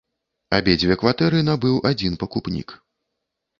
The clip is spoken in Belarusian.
Абедзве кватэры набыў адзін пакупнік.